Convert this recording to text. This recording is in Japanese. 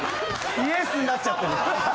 ・「ＹＥＳ」になっちゃってる・